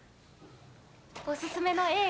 おすすめの映画。